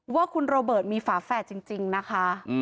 ว่าคุณโรเบิร์ตมีฝาแฝดจริงนะคะ